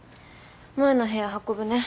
萌の部屋運ぶね。